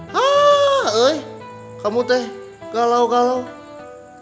kalian kenapa gini